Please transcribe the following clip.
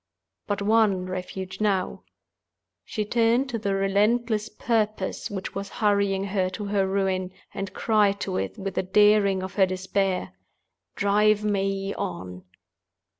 But one refuge now. She turned to the relentless Purpose which was hurrying her to her ruin, and cried to it with the daring of her despair—Drive me on!